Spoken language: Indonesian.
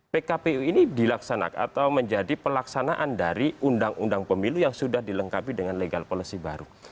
pkpu ini dilaksanakan atau menjadi pelaksanaan dari undang undang pemilu yang sudah dilengkapi dengan legal policy baru